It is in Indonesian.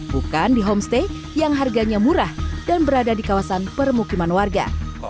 bukan di homestay yang harganya murah dan berada di kawasan permukiman warga